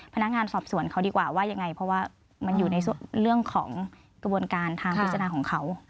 พนักงานสอบสวนเขาดีกว่าว่ายังไงเพราะว่ามันอยู่ในเรื่องของกระบวนการทางพิจารณาของเขา